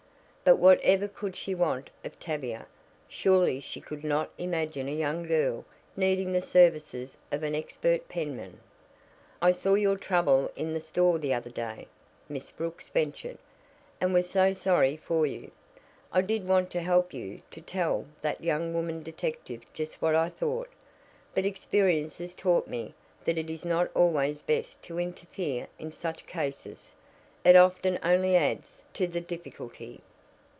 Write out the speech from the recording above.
But whatever could she want of Tavia? Surely she could not imagine a young girl needing the services of an expert penman? "I saw your trouble in the store the other day," Miss Brooks ventured, "and was so sorry for you. I did want to help you to tell that young woman detective just what I thought. But experience has taught me that it is not always best to interfere in such cases. It often only adds to the difficulty."